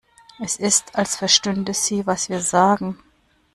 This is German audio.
Es ist, als verstünde sie, was wir sagen.